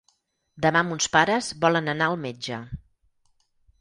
Demà mons pares volen anar al metge.